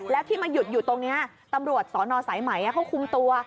แล้วที่มาหยุดอยู่ตรงนี้ตำรวจสนสายไหมเขาคุมตัว